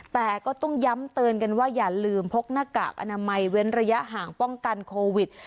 แต่ก็ต้องย้ำเตือนกันว่าอย่าลืมพกหน้ากากอนามัยเว้นระยะห่างป้องกันโควิด